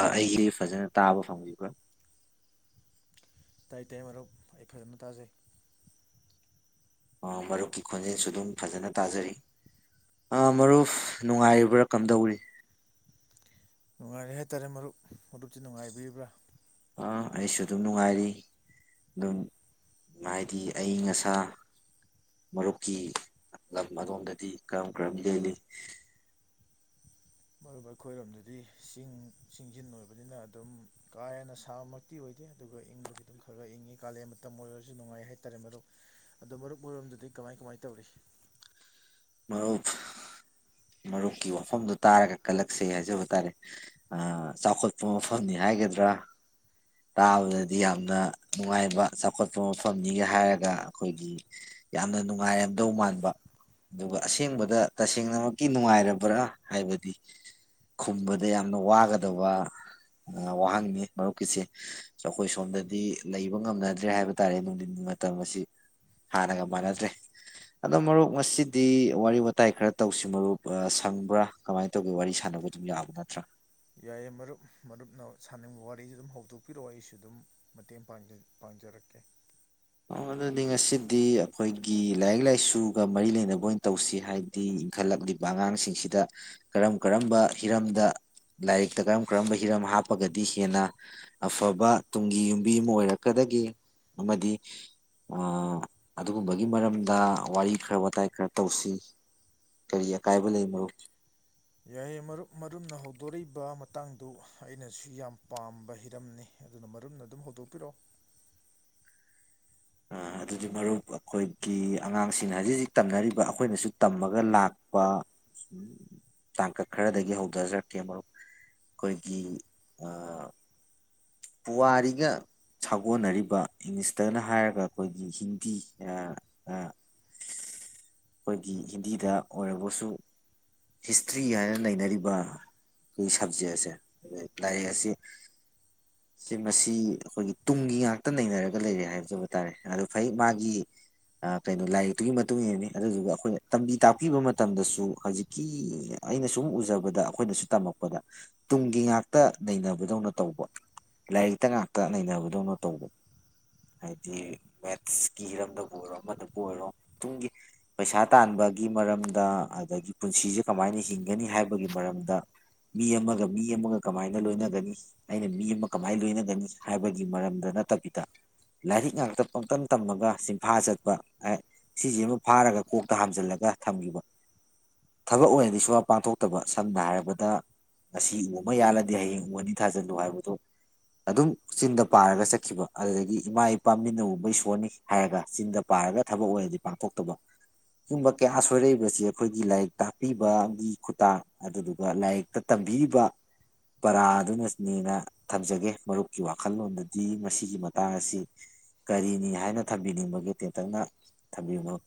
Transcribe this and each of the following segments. ꯑꯩꯁꯤ ꯐꯖꯅ ꯇꯥꯕ ꯐꯪꯕꯤꯕ꯭ꯔ ꯇꯥꯏ ꯇꯥꯏ ꯃꯔꯨꯞ ꯑꯩ ꯐꯖꯅ ꯇꯥꯖꯩ ꯃꯔꯨꯞꯀꯤ ꯈꯣꯟꯖꯦꯜꯁꯨ ꯑꯗꯨꯝ ꯐꯖꯅ ꯇꯥꯖꯔꯤ ꯑ ꯃꯔꯨꯞ ꯅꯨꯡꯉꯥꯏꯔꯤꯕ꯭ꯔꯥ ꯀꯝꯗꯧꯔꯤ ꯅꯨꯡꯉꯥꯏꯔꯤ ꯍꯥꯏꯇꯥꯔꯦ ꯃꯔꯨꯞ ꯃꯔꯨꯞꯇꯤ ꯅꯨꯡꯉꯥꯏꯕꯤꯔꯤꯕ꯭ꯔꯥ ꯑꯥ, ꯑꯩꯁꯨ ꯑꯗꯨꯝ ꯅꯨꯡꯉꯥꯏꯔꯤ ꯑꯗꯨꯝ ꯍꯥꯏꯗꯤ ꯑꯌꯤꯡ ꯑꯁꯥ ꯃꯔꯨꯞꯀꯤ ꯂꯝ ꯑꯗꯣꯝꯗꯗꯤ ꯀꯔꯝ ꯀꯔꯝ ꯂꯦꯜꯂꯤ ꯃꯔꯨꯞ ꯑꯩꯈꯣꯏꯔꯣꯝꯗꯗꯤ ꯆꯤꯡ ꯆꯤꯡꯖꯤꯟ ꯑꯣꯏꯕꯅꯤꯅ ꯑꯗꯨꯝ ꯀꯥ ꯍꯦꯟꯅ ꯁꯥꯕꯃꯛꯇꯤ ꯑꯣꯏꯗꯦ ꯑꯗꯨꯒ ꯏꯪꯕꯗꯤ ꯑꯗꯨꯝ ꯈꯒ ꯈꯒ ꯏꯪꯉꯤ ꯀꯥꯂꯦꯟ ꯃꯇꯝ ꯑꯣꯏꯔꯁꯨ ꯅꯨꯡꯉꯥꯏ ꯍꯥꯏꯇꯥꯔꯦ ꯃꯔꯨꯞ ꯑꯗꯣ ꯃꯔꯨꯞꯍꫭꯏꯔꫭꯝꯗꯗꯤ ꯀꯃꯥꯏ ꯀꯃꯥꯏ ꯇꯧꯔꯤ ꯃꯔꯨꯞ ꯃꯔꯨꯞꯀꯤ ꯋꯥꯐꯝꯗꯨ ꯇꯥꯔꯒ ꯀꯜꯂꯛꯆꯩ ꯍꯥꯏꯖꯕ ꯇꯥꯔꯦ ꯆꯥꯎꯈꯠꯄ ꯃꯐꯝꯅꯤ ꯍꯥꯏꯒꯗ꯭ꯔꯥ ꯇꯥꯕꯗꯗꯤ ꯌꯥꯝꯅ ꯅꯨꯡꯉꯥꯏꯕ ꯆꯥꯎꯈꯠꯄ ꯃꯐꯝꯅꯤꯒ ꯍꯥꯏꯔꯒ ꯑꯩꯈꯣꯏꯒꯤ ꯌꯥꯝꯅ ꯅꯨꯡꯉꯥꯏꯔꯝꯗꯧ ꯃꯥꯟꯕ ꯑꯗꯨꯒ ꯑꯁꯦꯡꯕꯗ ꯇꯁꯦꯡꯅꯃꯛꯀꯤ ꯅꯨꯡꯉꯥꯏꯔꯕ꯭ꯔꯥ ꯍꯥꯏꯕꯗꯤ ꯈꯨꯝꯕꯗ ꯌꯥꯝꯅ ꯋꯥꯒꯗꯕ ꯋꯥꯍꯪꯅꯤ ꯃꯔꯨꯞꯀꯤꯁꯦ ꯑꯩꯈꯣꯏ ꯁꯣꯝꯗꯗꯤ ꯂꯩꯕ ꯉꯝꯅꯗ꯭ꯔꯦ ꯍꯥꯏꯕ ꯇꯥꯔꯦ ꯅꯨꯡꯊꯤꯟꯒꯤ ꯃꯇꯝ ꯑꯁꯤ ꯍꯥꯟꯅꯒ ꯃꯥꯟꯅꯗ꯭ꯔꯦ ꯑꯗꯣ ꯃꯔꯨꯞ ꯉꯁꯤ ꯗꯤ ꯋꯥꯔꯤ ꯋꯥꯇꯥꯏ ꯈꯔ ꯇꯧꯁꯤ ꯃꯔꯨꯞ ꯁꯪꯕ꯭ꯔꯥ ꯀꯃꯥꯏꯅ ꯇꯧꯒꯦ ꯋꯥꯔꯤ ꯁꯥꯟꯅꯕ ꯑꯗꯨꯝ ꯌꯥꯕ ꯅꯠꯇ꯭ꯔꯥ ꯌꯥꯏꯌꯦ ꯃꯔꯨꯞ ꯃꯔꯨꯞꯅ ꯁꯥꯥꯟꯅꯤꯡꯕ ꯋꯥꯔꯤꯁꯨ ꯑꯗꯨꯝ ꯍꯧꯗꯣꯛꯄꯤꯔꯛꯑꯣ ꯑꯩꯁꯨ ꯑꯗꯨꯝ ꯃꯇꯦꯡ ꯄꯥꯡꯖꯔꯛꯀꯦ ꯑꯗꯨꯗꯤ ꯉꯁꯤꯗꯤ ꯑꯩꯈꯣꯏꯒꯤ ꯂꯥꯏꯔꯤꯛ ꯂꯥꯏꯁꯨꯒ ꯃꯔꯤ ꯂꯩꯅꯕ ꯑꯣꯏꯅ ꯇꯧꯁꯤ ꯍꯥꯏꯕꯗꯤ ꯏꯟꯈꯠꯂꯛꯂꯤꯕ ꯑꯉꯥꯡꯁꯤꯡꯁꯤꯗ ꯀꯔꯝ ꯀꯔꯝꯕ ꯍꯤꯔꯝꯗ ꯂꯥꯏꯔꯤꯛꯇ ꯀꯔꯝ ꯀꯔꯝꯕ ꯍꯤꯔꯝ ꯍꯥꯞꯄꯒꯗꯤ ꯍꯦꯟꯅ ꯑꯐꯕ ꯇꯨꯡꯒꯤ ꯌꯨꯝꯕꯤ ꯑꯃ ꯑꯣꯏꯔꯛꯀꯗꯒꯦ ꯑꯃꯗꯤ ꯑꯗꯨꯒꯨꯝꯕꯒꯤ ꯃꯔꯝꯗ ꯋꯥꯔꯤ ꯈꯔ ꯋꯥꯇꯥꯏ ꯈꯔ ꯇꯧꯁꯤ ꯀꯔꯤ ꯑꯀꯥꯏꯕ ꯂꯩ ꯃꯔꯨꯞ ꯌꯥꯏꯑꯌꯦ ꯃꯔꯨꯞ ꯃꯔꯨꯞꯅ ꯍꯧꯗꯣꯔꯛꯏꯕ ꯃꯇꯥꯡꯗꯨ ꯑꯩꯅꯁꯨ ꯌꯥꯝ ꯄꯥꯝꯕ ꯍꯤꯔꯝꯅꯤ ꯑꯗꯨꯅ ꯃꯔꯨꯝꯅ ꯑꯗꯨꯝ ꯍꯧꯗꯣꯛꯄꯤꯔꯛꯑꯣ ꯑꯗꯨꯗꯤ ꯃꯔꯨꯞ ꯑꯩꯈꯣꯏꯒꯤ ꯑꯉꯥꯡꯁꯤꯡꯅ ꯍꯧꯖꯤꯛ ꯍꯧꯖꯤꯛ ꯇꯝꯅꯔꯤꯕ ꯑꯩꯈꯣꯏꯅꯁꯨ ꯇꯝꯃꯒ ꯂꯥꯛꯄ ꯇꯥꯡꯀꯛ ꯈꯔꯗꯒꯤ ꯍꯧꯊꯖꯔꯛꯀꯦ ꯃꯔꯨꯞ ꯑꯩꯈꯣꯏꯒꯤ ꯄꯨꯋꯥꯔꯤꯒ ꯁꯥꯒꯣꯟꯅꯔꯤꯕ ꯏꯪꯂꯤꯁꯇꯅ ꯍꯥꯏꯔꯒ ꯑꯩꯈꯣꯏꯒꯤ ꯍꯤꯟꯗꯤ ꯑꯩꯈꯣꯏꯒꯤ ꯍꯤꯟꯗꯤꯗ ꯑꯣꯏꯔꯕꯁꯨ ꯍꯤꯁꯇ꯭ꯔꯤ ꯍꯥꯏꯅ ꯅꯩꯅꯔꯤꯕ ꯑꯩꯈꯣꯏꯒꯤ ꯁꯕꯖꯦꯛ ꯑꯁꯦ ꯂꯥꯏꯔꯤꯛ ꯑꯁꯤ ꯁꯤ ꯃꯁꯤ ꯑꯩꯈꯣꯏꯒꯤ ꯇꯨꯡꯒꯤ ꯉꯥꯛꯇ ꯅꯩꯅꯔꯒ ꯂꯩꯔꯦ ꯍꯥꯏꯖꯕ ꯇꯥꯔꯦ ꯑꯗꯨ ꯐꯩ ꯃꯥꯒꯤ ꯀꯩꯅꯣ ꯂꯥꯏꯔꯤꯛꯇꯨꯒꯤ ꯃꯇꯨꯡ ꯏꯟꯅꯅꯤ ꯑꯗꯨꯗꯨꯒ ꯑꯩꯈꯣꯏꯅ ꯇꯝꯕꯤ ꯇꯥꯛꯄꯤꯕ ꯃꯇꯝꯗꯁꯨ ꯍꯧꯖꯤꯛꯀꯤ ꯑꯩꯅ ꯁꯨꯝ ꯎꯖꯕꯗ ꯑꯩꯈꯣꯏꯅꯁꯨ ꯇꯝꯃꯛꯄꯗ ꯇꯨꯡꯒꯤ ꯉꯥꯛꯇ ꯅꯩꯅꯕꯗꯧꯅ ꯇꯧꯕ ꯂꯥꯏꯔꯤꯛꯇ ꯉꯥꯛꯇ ꯅꯩꯅꯕꯗꯧꯅꯣ ꯇꯧꯕ ꯍꯥꯏꯗꯤ ꯃꯦꯠꯁꯀꯤ ꯍꯤꯔꯝꯗꯕꯨ ꯑꯣꯏꯔꯣ ꯑꯃꯗꯕꯨ ꯑꯣꯏꯔꯣ ꯇꯨꯡꯒꯤ ꯄꯩꯁꯥ ꯇꯥꯟꯕꯒꯤ ꯃꯔꯝꯗ ꯑꯗꯒꯤ ꯄꯨꯟꯁꯤꯁꯦ ꯀꯃꯥꯏꯅ ꯍꯤꯡꯒꯅꯤ ꯍꯥꯏꯕꯒꯤ ꯃꯔꯝꯗ ꯃꯤ ꯑꯃꯒ ꯃꯤ ꯑꯃꯒ ꯀꯃꯥꯏꯅ ꯂꯣꯏꯅꯒꯅꯤ ꯑꯩꯅ ꯃꯤ ꯑꯃ ꯀꯃꯥꯏꯅ ꯂꯣꯏꯅꯒꯅꯤ ꯍꯥꯏꯕꯒꯤ ꯃꯔꯝꯗ ꯅꯠꯇꯕꯤꯗ ꯂꯥꯏꯔꯤꯛ ꯉꯥꯛꯇ ꯄꯪꯇꯝ ꯇꯝꯃꯒ ꯆꯤꯟꯐꯥ ꯆꯠꯄ ꯁꯤꯁꯤ ꯑꯃ ꯐꯥꯔꯒ ꯀꯣꯛꯇ ꯍꯥꯝꯖꯜꯂꯒ ꯊꯝꯈꯤꯕ ꯊꯕꯛ ꯑꯣꯏꯅꯗꯤ ꯁꯨꯡꯄꯥꯡ ꯄꯥꯡꯊꯣꯛꯇꯕ ꯁꯝꯅ ꯍꯥꯏꯔꯕꯗ ꯉꯁꯤ ꯎ ꯑꯃ ꯌꯥꯜꯂꯅꯤ ꯍꯌꯦꯡ ꯎ ꯑꯅꯤ ꯊꯥꯖꯤꯜꯂꯨ ꯍꯥꯏꯕꯗꫭ ꯑꯗꯨꯝ ꯆꯤꯟꯗ ꯄꯥꯔꯒ ꯆꯠꯈꯤꯕ ꯑꯗꯨꯗꯒꯤ ꯏꯃꯥ ꯏꯄꯥ ꯃꯤꯠꯅ ꯎꯕ ꯏꯁꯣꯔꯅꯤ ꯍꯥꯏꯔꯒ ꯆꯤꯟꯗ ꯄꯥꯔꯒ ꯊꯕꯛ ꯑꯣꯏꯅꯗꯤ ꯄꯥꯡꯊꯣꯛꯇꯕ ꯁꯤꯒꯨꯝꯕ ꯀꯌꯥ ꯁꯣꯏꯔꯛꯏꯕꯁꯤ ꯑꯩꯈꯣꯏꯒꯤ ꯂꯥꯏꯔꯤꯛ ꯇꯥꯛꯄꯤꯕꯒꯤ ꯈꯨꯇꯥ ꯑꯗꯨꯗꯨꯒ ꯂꯥꯏꯔꯤꯛꯇ ꯇꯝꯕꯤꯔꯤꯕ ꯄꯔꯥꯗꯨꯅꯅꯦꯅ ꯊꯝꯖꯒꯦ ꯃꯔꯨꯞꯀꯤ ꯋꯥꯈꯜꯂꯣꯟꯗꯗꯤ ꯃꯁꯤꯒꯤ ꯃꯇꯥꯡ ꯑꯁꯤ ꯀꯔꯤꯅꯤ ꯍꯥꯏꯅ ꯊꯝꯕꯤꯅꯤꯡꯕꯒꯦ ꯇꯦꯟꯇꯛꯅ ꯊꯝꯕꯤꯌꯨ ꯃꯔꯨꯞ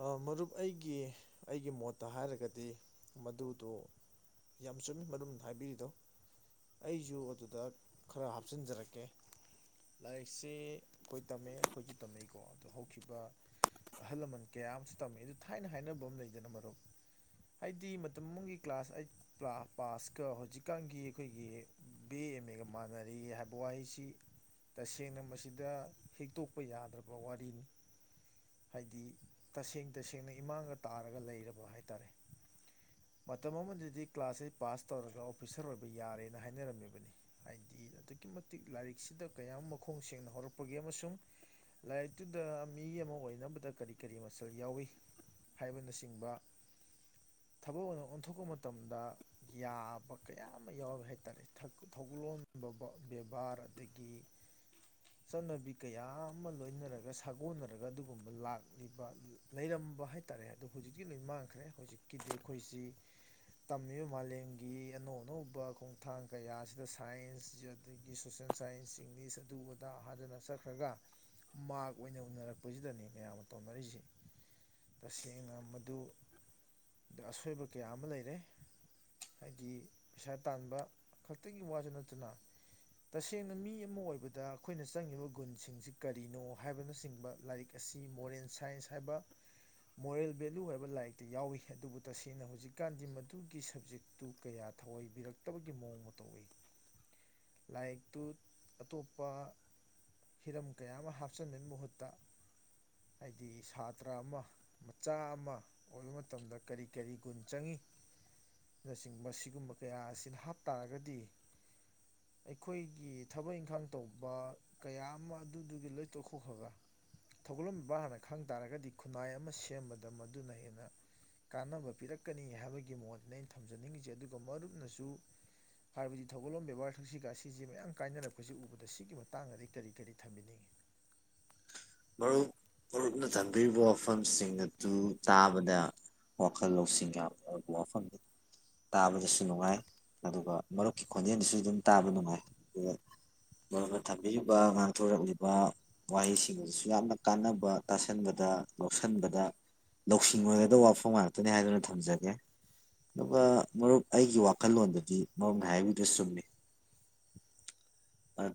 ꯑ ꯃꯔꯨꯞ ꯑꯩꯒꯤ ꯑꯩꯒꯤ ꯃꯣꯠꯇ ꯍꯥꯏꯔꯒꯗꯤ ꯃꯗꯨꯗꯣ ꯌꯥꯝ ꯆꯨꯝꯃꯤ ꯃꯔꯨꯞꯅ ꯍꯥꯏꯕꯤꯔꯤꯗꯣ ꯑꯩꯁꯨ ꯑꯗꯨꯗ ꯈꯔ ꯍꯥꯞꯆꯤꯟꯖꯔꯛꯀꯦ ꯂꯥꯏꯔꯤꯛꯁꯤ ꯑꯩꯈꯣꯏ ꯇꯝꯃꯦ ꯑꯩꯈꯣꯏꯁꯨ ꯇꯝꯃꯛꯏꯀꯣ ꯑꯗꯨ ꯍꯧꯈꯤꯕ ꯑꯍꯜ ꯂꯃꯟ ꯀꯌꯥ ꯑꯃꯁꯨ ꯇꯝꯃꯤ ꯑꯗꯨ ꯊꯥꯏꯅ ꯍꯥꯏꯅꯕ ꯑꯃ ꯂꯩꯗꯅ ꯃꯔꯨꯞ ꯍꯥꯏꯗꯤ ꯃꯇꯝ ꯑꯃꯒꯤ ꯀ꯭ꯂꯥꯁ ꯑꯩꯠ ꯄꯥꯁꯀ ꯍꯧꯖꯤꯛꯀꯥꯟꯒꯤ ꯑꯩꯈꯣꯏꯒꯤ ꯕꯤ ꯑꯦ ꯑꯦꯝꯃꯦꯒ ꯃꯥꯟꯅꯔꯤ ꯍꯥꯏꯕ ꯋꯥꯍꯩꯁꯤ ꯇꯁꯦꯡꯅ ꯃꯁꯤꯗ ꯍꯤꯛꯇꯣꯛꯄ ꯌꯥꯗ꯭ꯔꯕ ꯋꯥꯔꯤꯅꯤ ꯍꯥꯏꯗꯤ ꯇꯁꯦꯡ ꯇꯁꯦꯡꯅ ꯏꯃꯥꯡꯗ ꯇꯥꯔꯒ ꯂꯩꯔꯕ ꯍꯥꯏ ꯇꯔꯦ ꯃꯇꯝ ꯑꯃꯗꯗꯤ ꯀ꯭ꯂꯥꯁ ꯑꯩꯠ ꯄꯥꯁ ꯇꯧꯔꯒ ꯑꯣꯐꯤꯁꯥꯔ ꯑꯣꯏꯕ ꯌꯥꯔꯦꯅ ꯍꯥꯏꯅꯔꯝꯃꯤꯕꯅꯤ ꯍꯥꯏꯗꯤ ꯑꯗꯨꯛꯀꯤ ꯃꯇꯤꯛ ꯂꯥꯏꯔꯤꯛꯁꯤꯗ ꯀꯌꯥꯝ ꯃꯈꯣꯡ ꯁꯦꯡꯅ ꯍꯧꯔꯛꯄꯒꯦ ꯑꯃꯁꯨꯡ ꯂꯥꯏꯔꯤꯛꯇꯨꯗ ꯃꯤ ꯑꯃ ꯑꯣꯏꯅꯕꯗ ꯀꯔꯤ ꯀꯔꯤ ꯃꯆꯜ ꯌꯥꯎꯋꯤ ꯍꯥꯏꯕꯅꯆꯤꯡꯕ ꯊꯕꯛ ꯑꯣꯏꯅ ꯑꯣꯟꯊꯣꯛꯄ ꯃꯇꯝꯗ ꯌꯥꯕ ꯀꯌꯥ ꯑꯃ ꯌꯥꯎꯋꯤ ꯍꯥꯏꯇꯥꯔꯦ ꯊꯧꯒꯂꯣꯟꯒꯨꯝꯕ ꯕꯦꯕꯥꫪ ꯑꯗꯒꯤ ꯆꯠꯅꯕꯤ ꯀꯌꯥ ꯑꯃ ꯂꯣꯏꯅꯔꯒ ꯁꯥꯒꯣꯟꯅꯔꯒ ꯑꯗꯨꯒꯨꯝꯕ ꯂꯥꯛ ꯂꯤꯕ ꯂꯩꯔꯝꯕ ꯍꯥꯏꯇꯥꯔꯦ ꯑꯗꯨ ꯍꯧꯖꯤꯛꯇꯤ ꯂꯣꯏ ꯃꯥꯡꯈ꯭ꯔꯦ ꯍꯧꯖꯤꯛꯀꯤꯗꯤ ꯑꯩꯈꯣꯏꯁꯤ ꯇꯝꯃꯤꯕ ꯃꯥꯂꯦꯝꯒꯤ ꯑꯅꯧ ꯑꯅꯧꯕ ꯈꯣꯡꯊꯥꯡ ꯀꯌꯥꯁꯤꯗ ꯁꯥꯏꯟꯁ ꯑꯗꯒꯤ ꯁꯣꯁꯦꯜ ꯁꯥꯏꯟꯁ ꯏꯪꯂꯤꯁ ꯑꯗꯨ ꯑꯗꯥ ꯍꯗꯅ ꯆꯠꯈ꯭ꯔꯒ ꯃꯥꯔꯛ ꯑꯣꯏꯅ ꯎꯅꯔꯛꯄꯁꯤꯗꯅꯤ ꯃꯌꯥꯝ ꯑꯃ ꯇꯧꯅꯔꯤꯁꯤ ꯇꯁꯦꯡꯅ ꯃꯗꯨ ꯑꯁꯣꯏꯕ ꯀꯌꯥ ꯑꯃ ꯂꯩꯔꯦ ꯍꯥꯏꯗꯤ ꯄꯩꯁꯥ ꯇꯥꯟꯕ ꯈꯛꯇꯒꯤ ꯋꯥꯁꯨ ꯅꯠꯇꯅ ꯇꯁꯦꯡꯅ ꯃꯤ ꯑꯃ ꯑꯣꯏꯕꯗ ꯑꯩꯈꯣꯏꯅ ꯆꯪꯉꯤꯕ ꯒꯨꯟꯁꯤꯡꯁꯤ ꯀꯔꯤꯅꯣ ꯍꯥꯏꯕꯅꯆꯤꯡꯕ ꯂꯥꯏꯔꯤꯛ ꯑꯁꯤ ꯃꯣꯔꯦꯜ ꯁꯥꯏꯟꯁ ꯍꯥꯏꯕ ꯃꯣꯔꯦꯜ ꯚꯦꯂꯨ ꯍꯥꯏꯕ ꯂꯥꯏꯔꯤꯛꯇ ꯌꯥꯎꯏꯤ ꯑꯗꯨꯕꯨ ꯇꯁꯦꯡꯅ ꯍꯧꯖꯤꯛꯀꯥꯟꯗꯤ ꯃꯗꯨꯒꯤ ꯁꯕꯖꯦꯛꯇꯨ ꯀꯌꯥ ꯊꯑꯣꯏꯕꯤꯔꯛꯇꯕꯒꯤ ꯃꯑꯣꯡ ꯃꯇꯧ ꯎꯏ ꯂꯥꯏꯔꯤꯛꯇꯨ ꯑꯇꯣꯞꯄ ꯍꯤꯔꯝ ꯀꯌꯥ ꯑꯃ ꯍꯥꯞꯆꯟꯅꯕꯩ ꯃꯍꯨꯠꯇ ꯍꯥꯏꯗꯤ ꯁꯥꯇ꯭ꯔ ꯑꯃ ꯃꯆꯥ ꯑꯃ ꯑꯣꯏꯕ ꯃꯇꯝꯗ ꯀꯔꯤ ꯀꯔꯤ ꯒꯨꯟ ꯆꯪꯉꯤ ꯅꯆꯤꯡꯕ ꯁꯤꯒꯨꯝꯕ ꯀꯌꯥ ꯑꯁꯤꯅ ꯍꯥꯞꯇꯥꯥꯔꯒꯗꯤ ꯑꯩꯈꯣꯏꯒꯤ ꯊꯕꯛ ꯏꯪꯈꯥꯡ ꯇꯧꯕ ꯀꯌꯥ ꯑꯃ ꯑꯗꯨꯗꯨꯒꯤ ꯂꯣꯏꯇꯣꯛꯊꫭꯛꯈ꯭ꯔꯒ ꯊꯧꯒꯜꯂꯣꯟ ꯕꯦꯕꯥꫪ ꯍꯥꯟꯅ ꯈꯪ ꯇꯥꯔꯒꯗꯤ ꯈꯨꯟꯅꯥꯏ ꯑꯃ ꯁꯦꯝꯕꯗ ꯃꯗꯨꯅ ꯍꯦꯟꯅ ꯀꯥꯟꯅꯕ ꯄꯤꯔꯛꯀꯅꯤ ꯍꯥꯏꯕꯒꯤ ꯃꫭꯠꯅꯤ ꯑꯩꯅ ꯊꯝꯖꯅꯤꯡꯉꯤꯁꯦ ꯑꯗꯨꯒ ꯃꯔꯨꯞꯅꯁꯨ ꯍꯥꯏꯕꯗꯤ ꯊꯧꯒꯜꯂꯣꯟ ꯕꯦꯕꯥꫪ ꯈꯛꯁꯤꯒ ꯁꯤꯁꯦ ꯃꯌꯥꯝ ꯀꯥꯏꯅꯔꯛꯄꯁꯤ ꯎꯕꯗ ꯁꯤꯒꯤ ꯃꯇꯥꯡꯗꯗꯤ ꯀꯔꯤ ꯀꯔꯤ ꯊꯝꯕꯤꯅꯤꯡꯉꯤ ꯃꯔꯨꯞ ꯃꯔꯨꯞꯅ ꯊꯝꯕꯤꯔꯤꯕ ꯋꯥꯐꯝꯁꯤꯡ ꯑꯗꯨ ꯇꯥꯕꯗ ꯋꯥꯈꯜ ꯂꯧꯁꯤꯡ ꯌꯥꯝ ꯑꯣꯏꯕ ꯋꯥꯐꯝꯅꯤ ꯇꯥꯕꯗꯁꯨ ꯅꯨꯡꯉꯥꯏ ꯑꯗꯨꯒ ꯃꯔꯨꯞꯀꯤ ꯈꯣꯟꯖꯦꯜꯗꯁꯨ ꯑꯗꯨꯝ ꯇꯥꯕ ꯅꯨꯡꯉꯥꯏ ꯑꯗꯨꯒ ꯃꯔꯨꯞꯅ ꯊꯝꯕꯤꯔꯤꯕ ꯉꯥꯡꯊꯣꯔꯛꯂꯤꯕ ꯋꯥꯍꯩꯁꯤꯡ ꯑꯗꯨꯁꯨ ꯌꯥꯝꯅ ꯀꯥꯟꯅꯕ ꯇꯥꯁꯟꯕꯗ ꯂꯧꯁꯤꯟꯕꯗ ꯂꯧꯁꯤꯡꯑ‌ꯣꯏꯒꯗꯕ ꯋꯥꯐꯝ ꯉꯥꯛꯇꯅꯤ ꯍꯥꯏꯗꯨꯅ ꯊꯝꯖꯒꯦ ꯑꯗꯨꯒ ꯃꯔꯨꯞ ꯑꯩꯒꯤ ꯋꯥꯈꯜꯂꯣꯟꯗꯗꯤ ꯃꯔꯨꯞꯅꯤ ꯍꯥꯏꯕꯤꯗꯨ ꯆꯨꯝꯃꯤ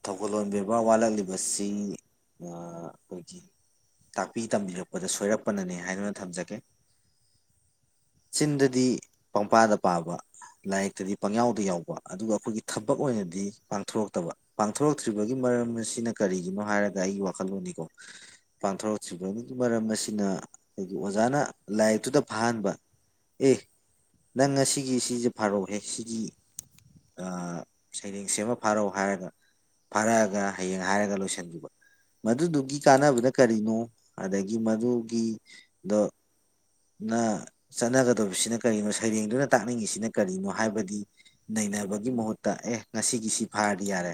ꯊꯧꯒꯜꯂꯣꯟ ꯕꯦꯕꯥꫪ ꯋꯥꯠꯂꯛꯂꯤꯕꯁꯤ ꯑꯩꯈꯣꯏꯒꯤ ꯑ ꯇꯥꯛꯄꯤ ꯇꯝꯕꯤꯕꯗ ꯁꯣꯏꯔꯛꯄꯅꯅꯦ ꯍꯥꯏꯗꯨꯅ ꯊꯝꯖꯒꯦ ꯆꯤꯟꯗꯗꯤ ꯄꯪꯄꯥꯗ ꯄꯥꯕ ꯂꯥꯏꯔꯤꯛꯇꯗꯤ ꯄꯪꯌꯥꯎꯗ ꯌꯥꯎꯕ ꯑꯗꯨꯒ ꯑꯩꯈꯣꯏꯒꯤ ꯊꯕꯛ ꯑꯣꯏꯅꯗꯤ ꯄꯥꯡꯊꯣꯔꯛꯇꯕ ꯄꯥꯡꯊꯣꯔꯛꯇ꯭ꯔꯤꯕꯒꯤ ꯃꯔꯝ ꯑꯁꯤꯅ ꯀꯔꯤꯒꯤꯅꯣ ꯍꯥꯏꯔꯒ ꯑꯩꯒꯤ ꯋꯥꯈꯜꯂꯣꯟꯅꯤꯀꯣ ꯄꯥꯡꯊꯣꯔꯛꯇ꯭ꯔꯤꯕꯒꯤ ꯃꯔꯝ ꯑꯁꯤꯅ ꯑꯩꯈꯣꯏꯒꯤ ꯑꯣꯖꯥꯅ ꯂꯥꯏꯔꯤꯛꯇꯨꯗ ꯐꯍꯟꯕ ꯑꯦ ꯅꯪ ꯉꯁꯤꯒꯤ ꯁꯤꯁꯦ ꯐꯥꯔꯛꯍꯦ ꯁꯤꯒꯤ ꯑ ꯁꯩꯔꯦꯡꯁꯃ ꯐꯥꯔꯛꯎ ꯍꯥꯏꯔꯒ ꯐꯥꯔꯛꯑꯒ ꯍꯌꯦꯡ ꯍꯥꯏꯔꯒ ꯂꯣꯏꯁꯤꯟꯈꯤꯕ ꯃꯗꯨꯗꯨꯒꯤ ꯀꯥꯟꯅꯕꯅ ꯀꯔꯤꯅꯣ ꯑꯗꯒꯤ ꯃꯗꯨꯒꯤꯗꯣ ꯅ ꯆꯠꯅꯒꯗꯁꯤꯅ ꯀꯔꯤꯅꯣ ꯁꯩꯔꯦꯡꯗꯨꯅ ꯇꯥꯛꯅꯤꯡꯉꯤꯁꯤꯅ ꯀꯔꯤꯅꯣ ꯍꯥꯏꯕꯗꯤ ꯅꯩꯅꯕꯒꯤ ꯃꯍꯨꯠꯇ ꯑꯦ ꯉꯁꯤꯒꯤꯁꯤ ꯐꯥꯔꯗꯤ ꯌꯥꯔꯦ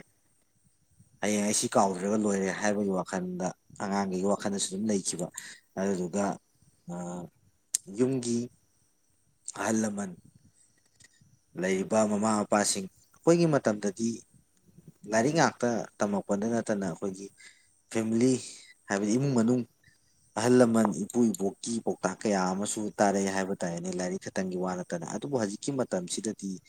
ꯍꯌꯦꯡ ꯑꯩꯁꯤ ꯀꯥꯎꯗ꯭ꯔꯒ ꯂꯣꯏꯔꯦ ꯍꯥꯏꯕꯒꯤ ꯋꯥꯈꯜꯗ ꯑꯉꯥꯡꯈꯩꯒꯤ ꯋꯥꯈꯜꯗꯁꯨ ꯑꯗꯨꯝ ꯂꯩꯈꯤꯕ ꯑꯗꯨꯗꯨꯒ ꯑ ꯌꯨꯝꯒꯤ ꯑꯍꯜꯂꯃꯟ ꯂꯩꯔꯤꯕ ꯃꯃꯥ ꯃꯄꯥꯁꯤꯡ ꯑꯩꯈꯣꯏꯒꯤ ꯃꯇꯝꯗꯗꯤ ꯂꯥꯏꯔꯤꯛ ꯉꯥꯛꯇ ꯇꯝꯃꯛꯄꯗ ꯅꯠꯇꯅ ꯑꯩꯈꯣꯏꯒꯤ ꯐꯦꯃꯤꯂꯤ ꯍꯥꯏꯕꯗꯤ ꯏꯃꯨꯡ ꯃꯅꯨꯡ ꯑꯍꯜ ꯂꯃꯟ ꯏꯄꯨ ꯏꯄꯣꯛꯀꯤ ꯄꯥꯎꯇꯥꯛ ꯀꯌꯥ ꯑꯃꯁꯨ ꯇꯥꯔꯛꯏ ꯍꯥꯏꯕ ꯇꯥꯔꯦꯅꯦ ꯂꯥꯏꯔꯤꯛ ꯈꯛꯇꯪꯒꯤ ꯋꯥ ꯅꯠꯇꯅ ꯑꯗꯨꯕꯨ ꯍꯧꯖꯤꯛ ꯀꯤ ꯃꯇꯝꯁꯤꯗꯗꯤ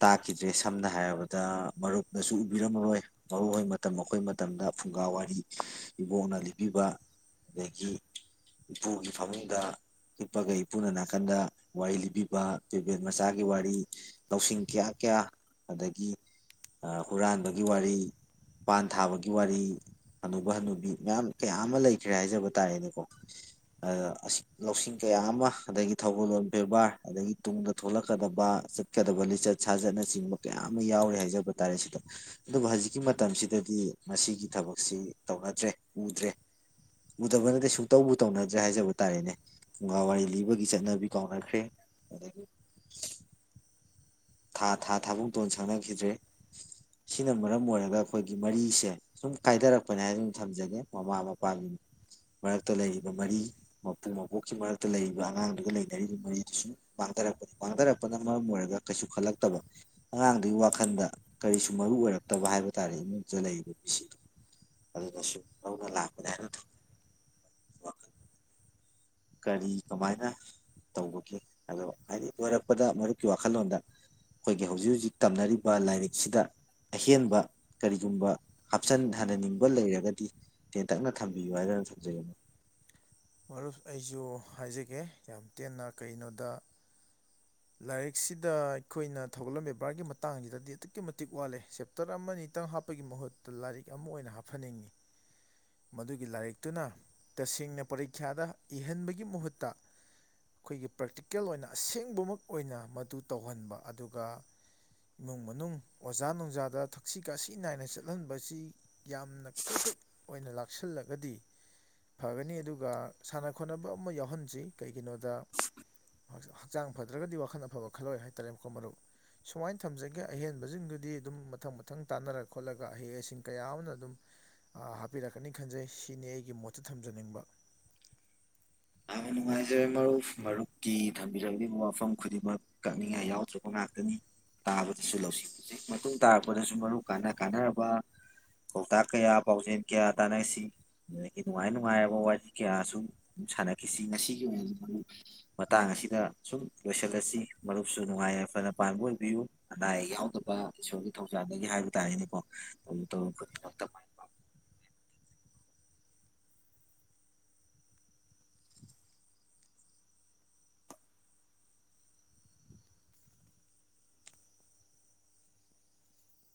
ꯇꯥꯛꯈꯤꯗ꯭ꯔꯦ ꯁꯝꯅ ꯍꯥꯏꯔꯕꯗ ꯃꯔꯨꯞꯅꯁꯨ ꯎꯕꯤꯔꯝꯃꯔꯣꯏ ꯃꯔꯨꯞ ꯃꯇꯝ ꯑꯩꯈꯣꯏ ꯃꯇꯝꯗ ꯐꯨꯡꯒꯥ ꯋꯥꯔꯤ ꯏꯕꯣꯛꯅ ꯂꯤꯕꯤꯕ ꯑꯗꯒꯤ ꯏꯄꯨꯒꯤ ꯐꯃꯨꯡꯗ ꯍꯤꯛꯄꯒ ꯏꯄꯨꯅ ꯅꯥꯀꯟꯗ ꯋꯥꯔꯤ ꯂꯤꯕꯤꯕ ꯕꯦꯠ ꯃꯆꯥꯒꯤ ꯋꯥꯔꯤ ꯂꯧꯁꯤꯡ ꯀꯌꯥ ꯀꯌꯥ ꯑꯗꯒꯤ ꯍꯨꯔꯥꯟꯕꯒꯤ ꯋꯥꯔꯤ ꯄꯥꯟ ꯊꯥꯕꯒꯤ ꯋꯥꯔꯤ ꯍꯅꯨꯕ ꯍꯅꯨꯕꯤ ꯃꯌꯥꯝ ꯀꯌꯥ ꯑꯃ ꯂꯩꯈ꯭ꯔꯦ ꯍꯥꯏꯖꯕ ꯇꯥꯔꯦꯅꯦꯀꯣ ꯑ ꯂꯧꯁꯤꯡ ꯀꯌꯥ ꯑꯃ ꯑꯗꯒꯤ ꯊꯧꯒꯜꯂꯣꯟ ꯕꯦꯕꯥꫪ ꯑꯗꯒꯤ ꯇꯨꯡꯗ ꯊꯣꯛꯂꯛꯀꯗꯕ ꯆꯠꯀꯗꯕ ꯂꯤꯆꯠ ꯁꯥꯖꯠꯅꯆꯤꯡꯕ ꯀꯌꯥ ꯑꯃ ꯌꯥꯎꯔꯦ ꯍꯥꯏꯖꯕ ꯇꯥꯔꯦ ꯁꯤꯗ ꯑꯗꯨꯒ ꯍꯧꯖꯤꯛꯀꯤ ꯃꯇꯝꯁꯤꯗꯗꯤ ꯃꯁꯤꯒꯤ ꯊꯕꯛꯁꯤ ꯇꯧꯅꯗ꯭ꯔꯦ ꯎꯗ꯭ꯔꯦ ꯎꯗꯕꯅꯠꯇꯦ ꯁꯨꯡꯇꯧꯕꯨ ꯇꯧꯅꯗ꯭ꯔꯦ ꯍꯥꯏꯖꯕ ꯇꯥꯔꯦꯅꯦ ꯐꯨꯡꯒꯥ ꯋꯥꯔꯤ ꯂꯤꯕꯒꯤ ꯆꯠꯅꯕꯤ ꯀꯥꯎꯅꯈ꯭ꯔꯦ ꯑꯗꯒꯤ ꯊꯥ ꯊꯥ ꯊꯥꯕꯨꯡꯇꯣꯟ ꯁꯪꯅꯈꯤꯗ꯭ꯔꯦ ꯁꯤꯅ ꯃꯔꯝ ꯑꯣꯏꯔꯒ ꯑꯩꯈꯣꯏꯒꯤ ꯃꯔꯤꯁꯦ ꯁꯨꯝ ꯀꯥꯏꯊꯔꯛꯄꯅꯤ ꯍꯥꯏꯅ ꯑꯗꯨꯝ ꯊꯝꯖꯒꯦ ꯃꯃꯥ ꯃꯄꯥꯒꯤ ꯃꯔꯛꯇ ꯂꯩꯔꯤꯕ ꯃꯔꯤ ꯃꯄꯨ ꯃꯄꯣꯛꯀꯤ ꯃꯔꯛꯇ ꯂꯩꯔꯤꯕ ꯑꯉꯥꯡꯗꯨꯒꯤ ꯂꯩꯅꯔꯤꯕ ꯃꯔꯤꯗꯨ ꯁꯨꯝ ꯃꯥꯡꯊꯔꯛꯄꯅꯤ ꯃꯥꯡꯊꯔꯛꯄꯅ ꯃꯔꯝ ꯑꯣꯏꯔꯒ ꯀꯩꯁꯨ ꯈꯜꯂꯛꯇꯕ ꯑꯉꯥꯡꯗꯨꯒꯤ ꯋꯥꯈꯜꯗ ꯀꯔꯤꯁꯨ ꯃꯔꯨ ꯑꯣꯏꯔꯛꯇꯕ ꯍꯥꯏꯕ ꯇꯥꯔꯦ ꯏꯃꯨꯡꯗ ꯂꯩꯔꯤꯕ ꯃꯤꯁꯤꯗꯣ ꯑꯗꯨꯅꯁꯨ [unintelligible] ꯂꯥꯛꯄꯅꯦ ꯍꯥꯏꯅ ꯊꯝ ꯀꯔꯤ ꯀꯃꯥꯏꯅ ꯇꯧꯕꯒꯦ ꯑꯗꯣ ꯍꯥꯏꯗꯤ ꯂꯣꯏꯔꯛꯄꯗ ꯃꯔꯨꯞꯀꯤ ꯋꯥꯈꯜꯂꯣꯟꯗ ꯑꯩꯈꯣꯏꯒꯤ ꯍꯧꯖꯤꯛ ꯍꯧꯖꯤꯛ ꯇꯝꯅꯔꯤꯕ ꯂꯥꯏꯔꯤꯛꯁꯤꯗ ꯑꯍꯦꯟꯕ ꯀꯔꯤꯒꯨꯝꯕ ꯍꯥꯞꯆꯟꯍꯟꯍꯟꯅꯤꯡꯕ ꯂꯩꯔꯒꯗꯤ ꯇꯦꯟꯇꯛꯅ ꯊꯝꯕꯤꯌꯨ ꯍꯥꯏꯗꯅ ꯊꯝꯖꯒꯦ ꯃꯔꯨꯞ ꯑꯩꯁꯨ ꯍꯥꯏꯖꯒꯦ ꯌꯥꯝ ꯇꯦꯟꯅ ꯀꯩꯅꯣꯗ ꯂꯥꯏꯔꯤꯛꯁꯤꯗ ꯑꯩꯈꯣꯏꯅ ꯊꯧꯒꯜꯂꯝ ꯕꯦꯕꯥꯔꯒꯤ ꯃꯇꯥꯡꯁꯤꯗꯗꯤ ꯑꯗꯨꯛꯀꯤ ꯃꯇꯤꯛ ꯋꯥꯠꯂꯦ ꯆꯦꯞꯇꫪ ꯑꯃ ꯅꯤ ꯇꯪ ꯍꯥꯞꯄꯒꯤ ꯃꯍꯨꯠꯇ ꯂꯥꯏꯔꯤꯛ ꯑꯃ ꯑꯣꯏꯅ ꯍꯥꯞꯍꯟꯅꯤꯡꯉꯤ ꯃꯗꯨꯒꯤ ꯂꯥꯏꯔꯤꯛꯇꯨꯅ ꯇꯁꯦꯡꯅ ꯄꯔꯤꯈ꯭ꯌꯥꯗ ꯏꯍꯟꯕꯒꯤ ꯃꯍꯨꯠꯇ ꯑꯩꯈꯣꯏꯒꯤ ꯄ꯭ꯔꯦꯛꯇꯤꯀꯦꯜ ꯑꯣꯏꯅ ꯑꯁꯦꯡꯕꯃꯛ ꯑꯣꯏꯅ ꯃꯗꯨ ꯇꯧꯍꯟꯕ ꯑꯗꯨꯒ ꯏꯃꯨꯡ ꯃꯅꯨꯡ ꯑꯣꯖꯥ ꯅꯨꯡꯖꯥꯗ ꯊꯛꯁꯤ ꯈꯥꯁꯤ ꯅꯥꯏꯅ ꯆꯠꯍꯟꯕꯁꯤ ꯌꯥꯝꯅ ꯀ꯭ꯔꯛ ꯀ꯭ꯔꯛ ꯑꯣꯏꯅ ꯂꯥꯛꯁꯤꯜꯂꯒꯗꯤ ꯐꯒꯅꯤ ꯑꯗꯨꯒ ꯁꯥꯟꯅ ꯈꯣꯠꯅꯕ ꯑꯃ ꯌꯥꯎꯍꯟꯁꯤ ꯀꯩꯒꯤꯅꯣꯗ ꯍꯛꯆꯥꯡ ꯐ ꯠꯇ꯭ꯔꯒꯗꯤ ꯋꯥꯈꯜ ꯑꯐꯕ ꯈꯜꯂꯣꯏ ꯍꯥꯏꯇꯥꯔꯦꯀꫭ ꯃꯔꯨꯞ ꯁꯨꯃꯥꯏꯅ ꯊꯝꯖꯒꯦ ꯑꯍꯦꯟꯕꯁꯤꯡꯗꯨꯗꯤ ꯑꯗꯨꯝ ꯃꯊꯪ ꯃꯊꯪ ꯇꯥꯟꯅꯔ ꯈꯣꯠꯂꯒ ꯑꯍꯩ ꯑꯁꯤꯡ ꯀꯌꯥ ꯑꯃꯅ ꯑꯗꯨꯝ ꯍꯥꯞꯄꯤꯔꯛꯀꯅꯤ ꯈꯟꯖꯩ ꯁꯤꯅꯤ ꯑꯩꯒꯤ ꯃꯣꯠꯇ ꯊꯝꯖꯅꯤꯡꯕ ꯌꯥꯝꯅ ꯅꯨꯡꯉꯥꯏꯖꯔꯦ ꯃꯔꯨꯞ ꯃꯔꯨꯞꯀꯤ ꯊꯝꯕꯤꯖꯛꯂꯤꯕ ꯋꯥꯐꯝ ꯈꯨꯗꯤꯡꯃꯛ ꯀꯛꯅꯤꯡꯉꯥꯏ ꯌꯥꯎꯗ꯭ꯔꯕ ꯉꯥꯛꯇꯅꯤ ꯇꯥꯕꯗꯁꯨ ꯂꯧꯁꯤꯡ [unintelligible] ꯃꯇꯨꯡ ꯇꯥꯔꯛꯄꯗꯁꯨ ꯃꯔꯨꯞ ꯀꯅ ꯀꯥꯅꯔꯕ ꯄꯥꯎꯇꯥꯛ ꯀꯌꯥ ꯄꯥꯎꯖꯦꯜ ꯀꯌꯥ ꯇꯥꯟꯅꯁꯤ ꯑꯗꯒꯤ ꯅꯨꯡꯉꯥꯏ ꯅꯨꯡꯉꯥꯏꯔꯕ ꯋꯥꯔꯤ ꯀꯌꯥꯁꯨ ꯁꯥꯟꯅ ꯀꯤꯁꯤ ꯉꯁꯤꯒꯤ ꯑꯣꯏꯅꯗꯤ ꯃꯔꯨꯞ ꯃꯇꯥꯡ ꯑꯁꯤꯗ ꯁꯨꯝ ꯂꯣꯏꯁꯤꯜꯂꯁꯤ ꯃꯔꯨꯞꯁꯨ ꯅꯨꯡꯉꯥꯏ ꯌꯥꯏꯐꯅ ꯄꯥꯟꯕ ꯑꯣꯏꯕꯤꯌꯨ ꯑꯅꯥ ꯑꯌꯦꯛ ꯌꯥꯎꯗꯕ ꯏꯁꯣꫪꯒꯤ ꯊꯧꯖꯥꯗꯒꯤ ꯍꯥꯏꯕ ꯇꯥꯔꯦꯅꯦꯀꯣ ꯇꯧꯔꯨ ꯇꯧꯔꯨ ꯈꯨꯗꯤꯡꯃꯛꯇ ꯃꯥꯏ ꯄꯥꯛꯄ [unintelligible]